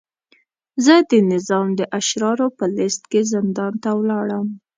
زه د نظام د اشرارو په لست کې زندان ته ولاړم.